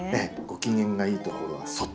ご機嫌がいいところは外。